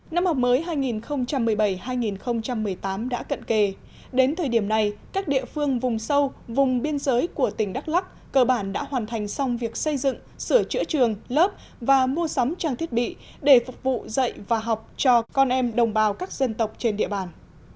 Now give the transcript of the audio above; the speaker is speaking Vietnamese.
năm học mới hai nghìn một mươi bảy hai nghìn một mươi tám đã cận kề đến thời điểm này các địa phương vùng sâu vùng biên giới của tỉnh đắk lắc cơ bản đã hoàn thành xong việc xây dựng sửa chữa trường lớp và mua sắm trang thiết bị để phục vụ dạy và học cho con em đồng bào các dân tộc trên địa bàn